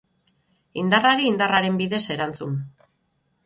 Indarrari indarraren bidez erantzun.